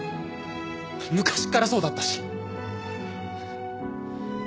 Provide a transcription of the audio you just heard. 昔っからそうだったし。